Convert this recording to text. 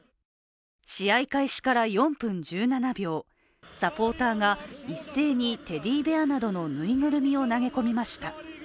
試合開始から４分１７秒、サポーターが一斉にテディベアなどのぬいぐるみを投げ込みました。